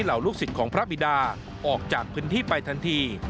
เหล่าลูกศิษย์ของพระบิดาออกจากพื้นที่ไปทันที